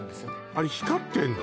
あれ光ってんの？